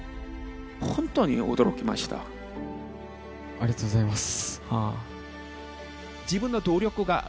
ありがとうございます。